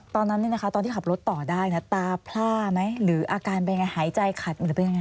ตอนนั้นตอนที่ขับรถต่อได้ตาพล่าไหมหรืออาการเป็นยังไงหายใจขัดหรือเป็นยังไง